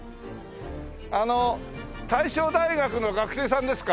あの大正大学の学生さんですか？